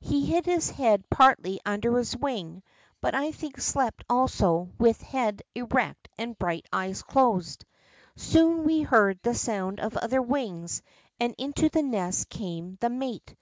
lie hid his head partly under his wing, but I think slept also with head erect and bright eyes closed. Soon we heard the sound of other wings and into the nest came the mate.